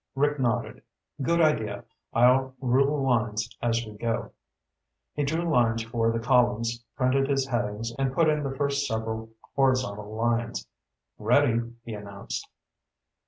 Rick nodded. "Good idea. I'll rule lines as we go." He drew lines for the columns, printed his headings, and put in the first several horizontal lines. "Ready," he announced.